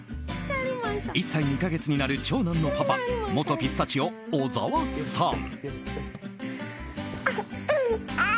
１歳２か月になる長男のパパ元ピスタチオ、小澤さん。